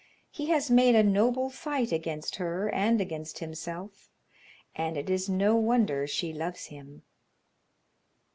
He has made a noble fight against her and against himself, and it is no wonder she loves him."